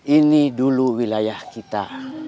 ini dulu wilayah kita